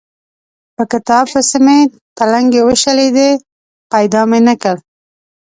په کتاب پسې مې تلنګې وشلېدې؛ پيدا مې نه کړ.